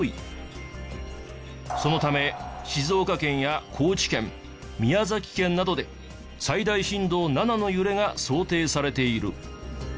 そのため静岡県や高知県宮崎県などで最大震度７の揺れが想定されている。